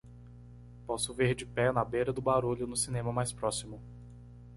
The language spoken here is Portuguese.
Posso ver De pé na beira do barulho no cinema mais próximo